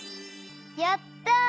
やった！